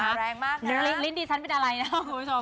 มาแรงมากค่ะลิ้นดีฉันเป็นอะไรนะคุณผู้ชม